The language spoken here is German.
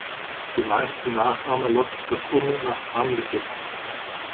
Die meisten Nachahmer lockt das Unnachahmliche.